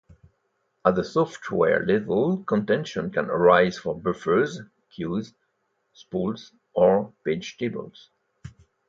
At the software level, contention can arise for buffers, queues, spools, or page tables.